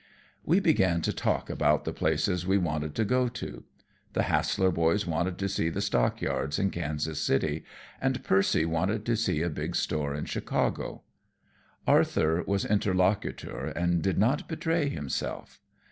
We began to talk about the places we wanted to go to. The Hassler boys wanted to see the stock yards in Kansas City, and Percy wanted to see a big store in Chicago. Arthur was interlocutor and did not betray himself.